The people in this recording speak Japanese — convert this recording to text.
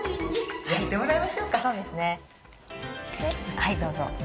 はいどうぞ。